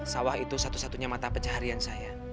sawah itu satu satunya mata pencaharian saya